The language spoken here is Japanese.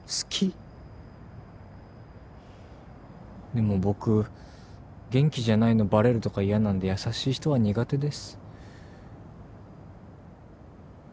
でも僕元気じゃないのバレるとか嫌なんで優しい人は苦手です。